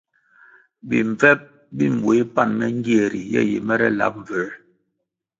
Bimbvep bi mbueh pan me ngie ri ye yi mere lab mbvuē,